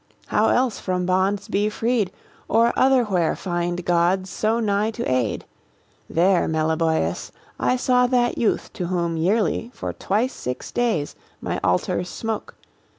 how else from bonds be freed, Or otherwhere find gods so nigh to aid? There, Meliboeus, I saw that youth to whom Yearly for twice six days my altars smoke.